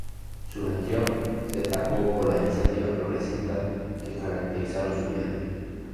Su gestión se destacó por las iniciativas progresistas que caracterizaron su vida.